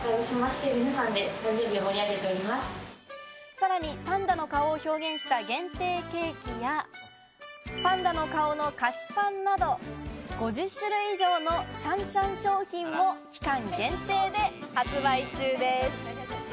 さらにパンダの顔を表現した限定ケーキや、パンダの顔の菓子パンなど、５０種類以上のシャンシャン商品も期間限定で発売中です。